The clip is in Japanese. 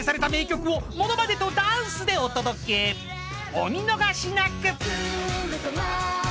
［お見逃しなく］